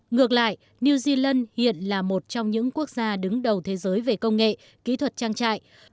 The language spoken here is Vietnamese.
ngược lại new zealand hiện là một trong những quốc gia đứng đầu thế giới về công nghệ kỹ thuật trang trại